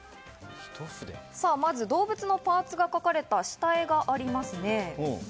まず動物のパーツが描かれた主体があります。